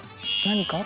何か？